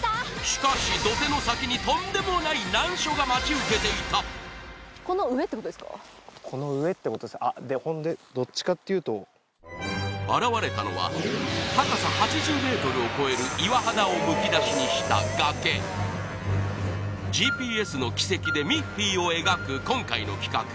しかし土手の先にとんでもない難所が待ち受けていたあっでほんでどっちかっていうと現れたのは高さ８０ｍを超える岩肌をむき出しにした崖ＧＰＳの軌跡でミッフィーを描く今回の企画